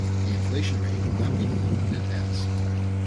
The inflation rate will not be known in advance.